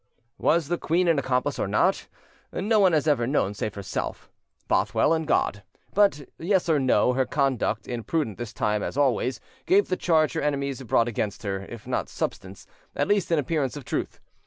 Was the queen an accomplice or not? No one has ever known save herself, Bothwell, and God; but, yes or no, her conduct, imprudent this time as always, gave the charge her enemies brought against her, if not substance, at least an appearance of truth.